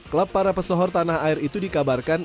klub para pesohor tanah air itu dikabarkan